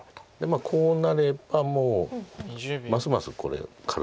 まあこうなればもうますますこれ軽く。